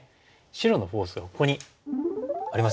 白のフォースがここにありますよね。